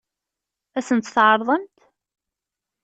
Ad sen-tt-tɛeṛḍemt?